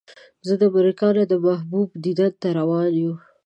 زه له امریکا نه د محبوب دیدن ته روان یو.